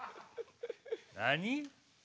何？